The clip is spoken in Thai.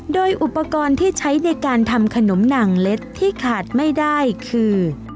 โดยอุปกรณ์ที่ใช้ในการทำขนมหนังเล็ดที่ขาดไม่ได้คือ